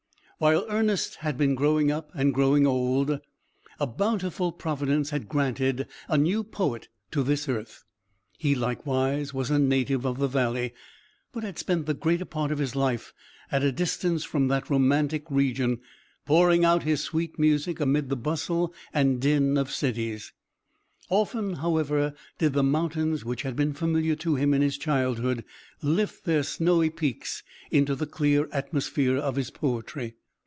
While Ernest had been growing up and growing old, a bountiful Providence had granted a new poet to this earth. He, likewise, was a native of the valley, but had spent the greater part of his life at a distance from that romantic region, pouring out his sweet music amid the bustle and din of cities. Often, however, did the mountains which had been familiar to him in his childhood, lift their snowy peaks into the clear atmosphere of his poetry.